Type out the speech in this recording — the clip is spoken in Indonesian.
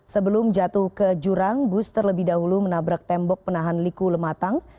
sebelum jatuh ke jurang bus terlebih dahulu menabrak tembok penahan liku lematang